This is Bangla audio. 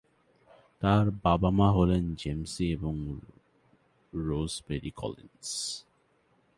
তার বাবা-মা হলেন জেমস ই এবং রোজ মেরি কলিন্স।